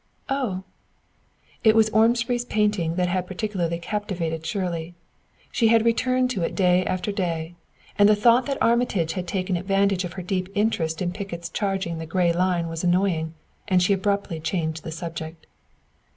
"Oh!" It was Ormsby's painting that had particularly captivated Shirley. She had returned to it day after day; and the thought that Armitage had taken advantage of her deep interest in Pickett's charging gray line was annoying, and she abruptly changed the subject.